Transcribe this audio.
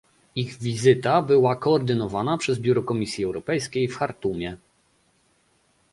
Ich wizyta była koordynowana przez biuro Komisji Europejskiej w Chartumie